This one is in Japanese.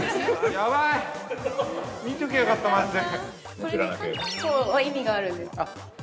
◆やばい、見ときゃよかったマジで。